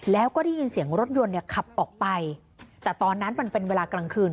แล้วก็ได้ยินเสียงรถยนต์เนี่ยขับออกไปแต่ตอนนั้นมันเป็นเวลากลางคืน